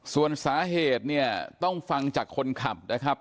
ส่วนสาเหตุเนี่ยต้องฟังจากคนขับนะครับ